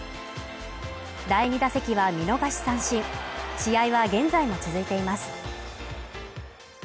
第２打席は見逃し三振試合は現在も続いています。